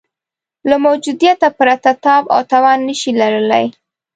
له موجودیته پرته تاب او توان نه شي لرلای.